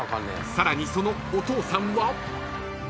［さらにそのお父さんは］